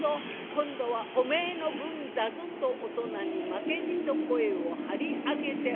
今度はおめえの分だぞ」と大人に負けじと声を張り上げております。